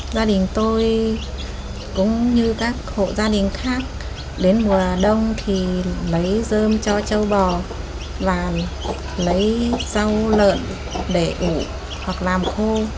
gia đình tôi cũng như các hộ gia đình khác đến mùa đông thì mấy dơm cho châu bò và lấy rau lợn để ủ hoặc làm khô